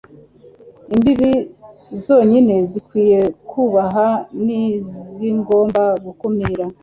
imbibi zonyine zikwiye kuhaba ni izigomba gukumira